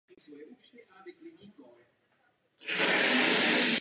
Dříve se základní umělecké školy nazývaly například lidové školy umění nebo hudební školy.